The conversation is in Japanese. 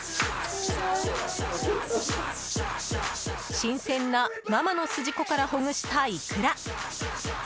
新鮮な生の筋子からほぐしたイクラ。